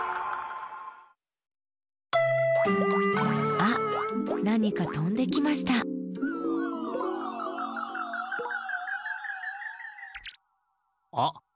あっなにかとんできましたあっきって！